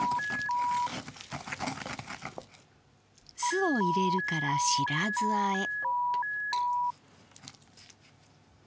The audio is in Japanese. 酢を入れるから白酢あえ。